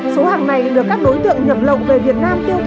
số hàng này được các đối tượng nhập lậu về việt nam tiêu thụ